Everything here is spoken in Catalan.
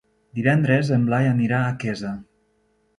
Divendres en Blai anirà a Quesa.